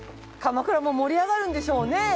鎌倉も盛り上がるんでしょうね！